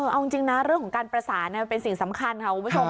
เอาจริงนะเรื่องของการประสานมันเป็นสิ่งสำคัญค่ะคุณผู้ชม